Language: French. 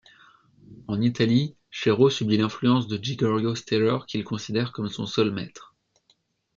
En Italie, Chéreau subit l'influence de Giorgio Strehler qu'il considère comme son seul maître.